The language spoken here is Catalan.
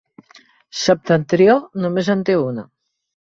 Septentrió només en té una.